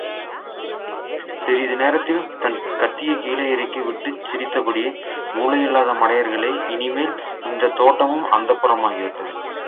சிறிது நேரத்தில், தன் கத்தியைக் கீழே இறக்கிவிட்டுச் சிரித்தபடியே, மூளையில்லாத மடையர்களே, இனிமேல் இந்தத் தோட்டமும் அந்தப்புரமாகிவிட்டது.